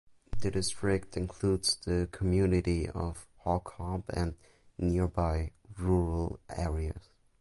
The district includes the community of Holcomb and nearby rural areas.